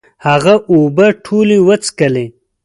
هغه اوبه ټولي وڅکلي